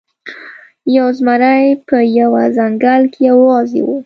یو زمری په یوه ځنګل کې یوازې و.